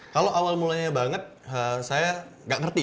kalau awal mulanya banget saya nggak ngerti